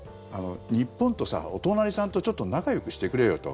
日本とさ、お隣さんとちょっと仲よくしてくれよと。